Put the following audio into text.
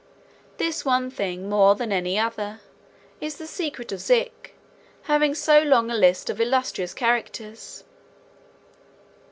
This one thing, more than any other, is the secret of Zik having so long a list of illustrious characters.